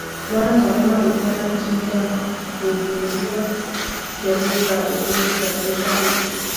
Bwana Karume alikwenda nchini Ghana kuhudhuria sherehe za uhuru wa taifa hilo